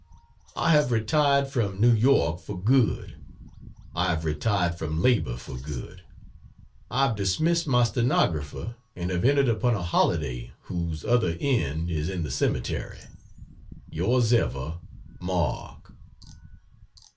I have retired from New York for good, I have retired from labor for good, I have dismissed my stenographer and have entered upon a holiday whose other end is in the cemetery. Yours ever, MARK.